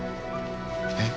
えっ？